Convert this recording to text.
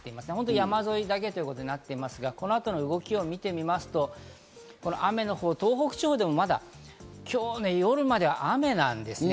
山沿いだけとなっていますが、この後の動きを見てみますと、雨は東北地方でもまだ今日、夜までまだ雨なんですね。